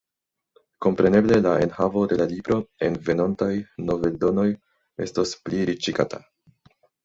Kompreneble la enhavo de la libro en venontaj noveldonoj estos pliriĉigata.